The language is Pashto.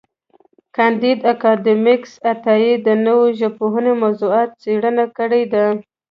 کانديد اکاډميسن عطايي د نوو ژبنیو موضوعاتو څېړنه کړې ده.